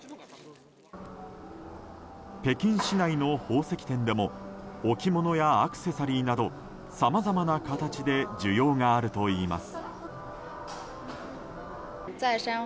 北京市内の宝石店でも置物やアクセサリーなどさまざまな形で需要があるといいます。